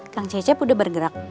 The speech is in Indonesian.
kang cecep udah bergerak